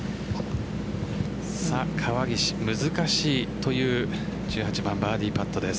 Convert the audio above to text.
川岸、難しいという１８番バーディーパットです。